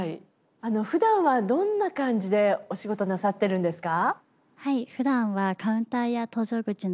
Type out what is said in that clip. ふだんはどんな感じでお仕事なさってるんですか？